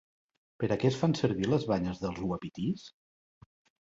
Per a què es fan servir les banyes dels uapitís?